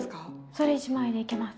それ１枚でいけます。